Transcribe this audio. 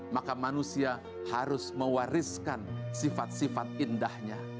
maka manusia harus mewariskan sifat sifat indahnya